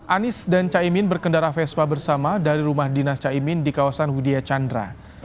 anies dan caimin berkendara vespa bersama dari rumah dinas caimin di kawasan widya chandra